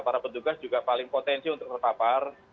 para petugas juga paling potensi untuk terpapar